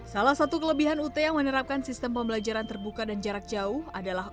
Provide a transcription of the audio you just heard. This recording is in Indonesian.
salah satu kelebihan ut yang menerapkan sistem pembelajaran terbuka dan jarak jauh adalah